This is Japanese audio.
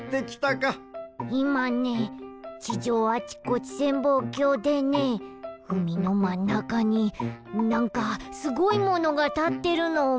いまね地上あちこち潜望鏡でねうみのまんなかになんかすごいものがたってるのをみたよ。